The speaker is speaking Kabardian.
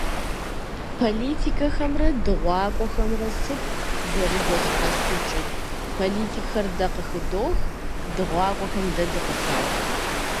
Политикхэмрэ дыгъуакӏуэхэмрэ сыт зэрызэщхьэщыкӏыр? Политикхэр дэ къыхыдох, дыгъуакӀуэхэм дэ дыкъыхах.